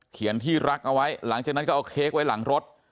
ที่รักเอาไว้หลังจากนั้นก็เอาเค้กไว้หลังรถ